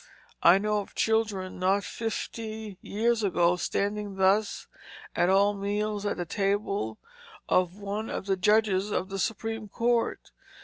I know of children not fifty years ago standing thus at all meals at the table of one of the Judges of the Supreme Court.